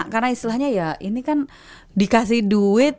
karena istilahnya ya ini kan dikasih duit